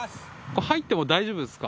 入っても大丈夫ですか？